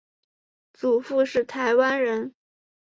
祖父是台湾人。